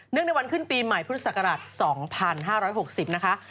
ในวันขึ้นปีใหม่พุทธศักราช๒๕๖๐นะคะ